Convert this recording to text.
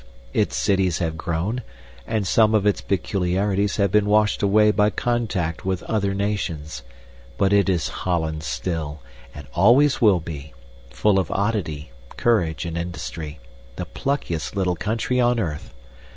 Its cities have grown, and some of its peculiarities have been washed away by contact with other nations; but it is Holland still, and always will be full of oddity, courage and industry the pluckiest little country on earth.